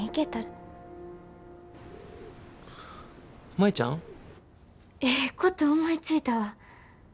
舞ちゃん？ええこと思いついたわ。